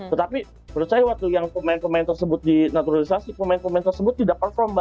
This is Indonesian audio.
tetapi menurut saya waktu yang pemain pemain tersebut dinaturalisasi pemain pemain tersebut tidak perform mbak